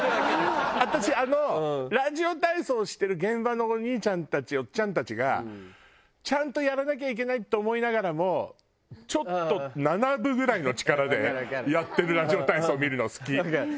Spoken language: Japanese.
私あのラジオ体操してる現場のお兄ちゃんたちおっちゃんたちがちゃんとやらなきゃいけないって思いながらもちょっと７分ぐらいの力でやってるラジオ体操見るの好き。